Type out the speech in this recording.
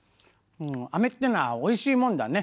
あめっていうのはおいしいもんだね。